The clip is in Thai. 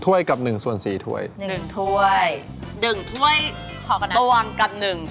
ตะวังกับหนึ่งช้อนโต๊ะ